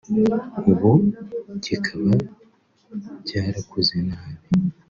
ubu kikaba cyarakuze nabi